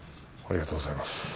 ありがとうございます。